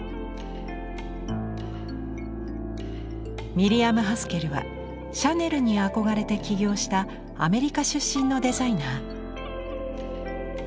ミリアム・ハスケルはシャネルに憧れて起業したアメリカ出身のデザイナー。